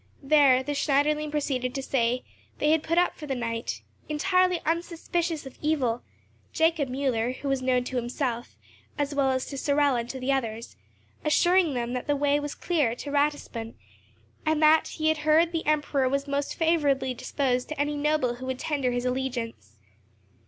There, the Schneiderlein proceeded to say, they put up for the night, entirely unsuspicious of evil; Jacob Müller, who was known to himself, as well as to Sorel and to the others, assuring them that the way was clear to Ratisbon, and that he heard the Emperor was most favourably disposed to any noble who would tender his allegiance.